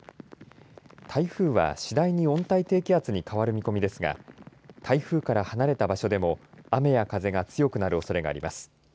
台風は次第に温帯低気圧に変わる見込みですが台風から離れた場所でも雨や風が強くなるおそれがあります。